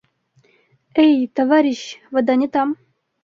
Эй, товарищь. вода не там!